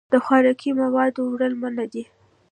د خوراکي موادو وړل منع دي.